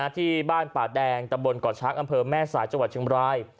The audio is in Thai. ที่บ้านป่าแดงตำบลก่อช้างอำเภอแม่สายจังหวัดเชียงบราย